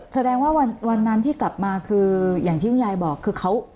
แสดงว่าวันนั้นที่กลับมาคืออย่างที่คุณยายบอกคือเขา